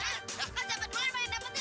kan siapa dua yang paling dapat tuh